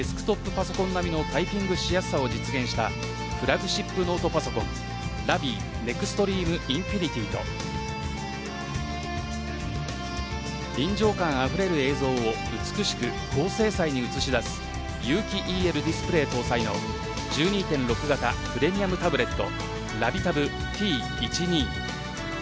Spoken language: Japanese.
パソコン並みのタイピングしやすさを実現したフラグシップノートパソコンＬＡＶＩＥＮＥＸＴＲＥＭＥＩｎｆｉｎｉｔｙと臨場感あふれる映像を美しく高精細に映し出す有機ＥＬディスプレー搭載の１２．６型プレミアムタブレットＬＡＶＩＥＴａｂＴ１２